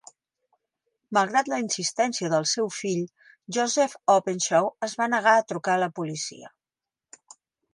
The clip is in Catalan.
Malgrat la insistència del seu fill, Joseph Openshaw es va negar a trucar a la policia.